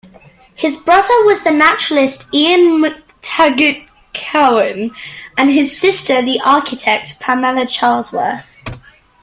His brother was the naturalist Ian McTaggart-Cowan, and his sister the architect Pamela Charlesworth.